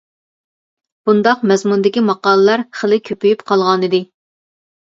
بۇنداق مەزمۇندىكى ماقالىلەر خېلى كۆپىيىپ قالغانىدى.